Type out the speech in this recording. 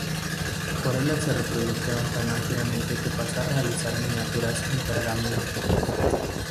Sus acuarelas se reprodujeron tan ampliamente que pasó a realizar miniaturas en pergamino.